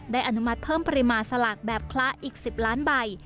อนุมัติเพิ่มปริมาณสลากแบบคละอีก๑๐ล้านใบ